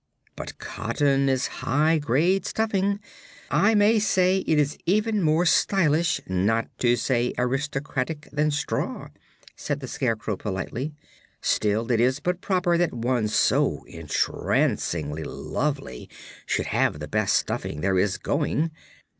"But cotton is a high grade stuffing. I may say it is even more stylish, not to say aristocratic, than straw," said the Scarecrow politely. "Still, it is but proper that one so entrancingly lovely should have the best stuffing there is going.